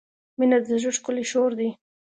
• مینه د زړۀ ښکلی شور دی.